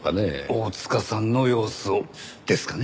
大塚さんの様子をですかね？